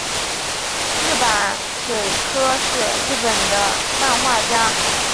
日坂水柯是日本的漫画家。